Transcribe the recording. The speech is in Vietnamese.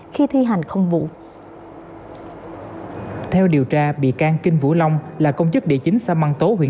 khi thi hành công vụ theo điều tra bị can kinh vũ long là công chức địa chính xã măng tố huyện